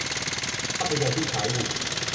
ภาพยนตร์ที่ฉายอยู่